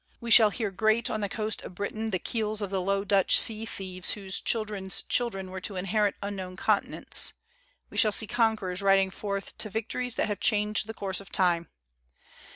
We shall hear grate on the coast of Britain the keels of the Low Dutch sea thieves whose children's chil dren were to inherit unknown continents. ... We shall see conquerors riding forward to victo ries that have changed the course of time.